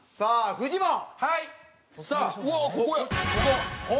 フジモン。